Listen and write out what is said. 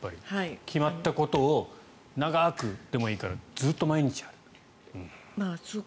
決まったことを長くでもいいからずっと毎日やるという。